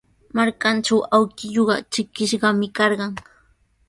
Markantraw awkilluu trikishqami karqan.